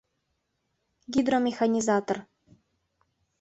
— Гидромеханизатор.